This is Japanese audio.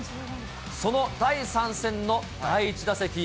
その第３戦の第１打席。